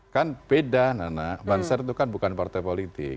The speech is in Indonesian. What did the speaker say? kan beda nana banser itu kan bukan partai politik